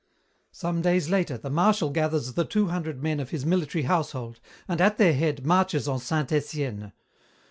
"Some days later the Marshal gathers the two hundred men of his military household and at their head marches on Saint Etienne.